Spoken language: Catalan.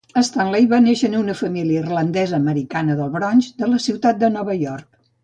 Shanley va néixer en una família irlandesa-americana del Bronx, de la ciutat de Nova York.